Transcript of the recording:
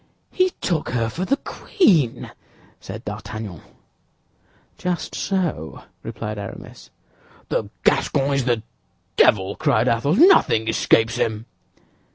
"He took her for the queen!" said D'Artagnan. "Just so," replied Aramis. "The Gascon is the devil!" cried Athos; "nothing escapes him."